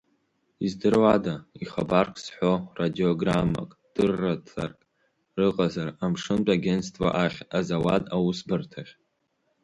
Издыруада, ихабарк зҳәо радиограммак, дырраҭарак ыҟазар, амшынтә агенство ахь, азауад аусбарҭахь?